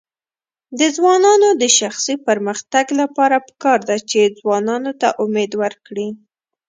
د ځوانانو د شخصي پرمختګ لپاره پکار ده چې ځوانانو ته امید ورکړي.